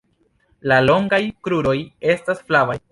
La longaj kruroj estas flavaj.